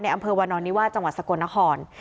อำเภอวานอนนิวาสจังหวัดสกลนคร